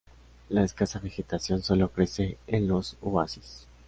La escasa vegetación solo crece en los oasis.